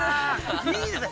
◆いいですね。